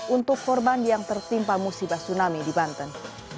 untuk korban yang tertimpa musibah tsunami di banten